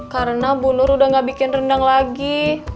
karena bu nur udah ga bikin rendang lagi